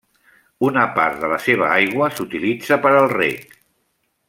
Una part de la seva aigua s'utilitza per al reg.